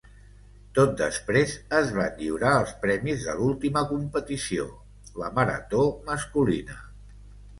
Tot després es van lliurar els premis de l'última competició, la marató masculina.